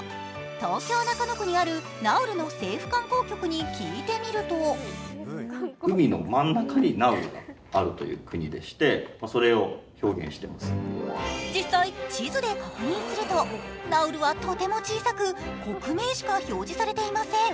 東京・中野区にあるナウルの政府観光局に聞いてみると実際、地図で確認すると、ナウルはとても小さく国名しか表示されていません。